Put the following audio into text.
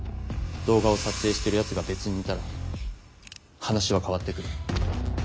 動画を撮影してるやつが別にいたら話は変わってくる。